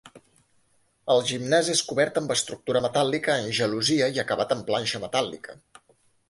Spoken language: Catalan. El gimnàs és cobert amb estructura metàl·lica en gelosia i acabat amb planxa metàl·lica.